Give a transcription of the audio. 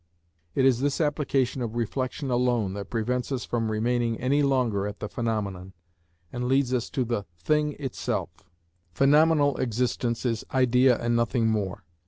It is this application of reflection alone that prevents us from remaining any longer at the phenomenon, and leads us to the thing in itself. Phenomenal existence is idea and nothing more.